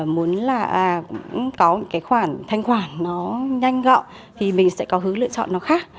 muốn là có những cái khoản thanh khoản nó nhanh gọn thì mình sẽ có hứa lựa chọn nó khác